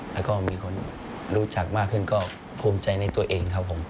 แล้วก็มีคนรู้จักมากขึ้นก็ภูมิใจในตัวเองครับผม